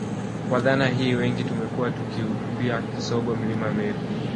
Kwa dhana hii wengi tumekuwa tukiutupia kisogo Mlima Meru